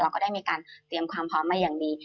ก็ได้มีการเตรียมความพร้อมมาอย่างดี